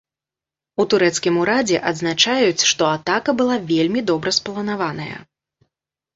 У турэцкім урадзе адзначаюць, што атака была вельмі добра спланаваная.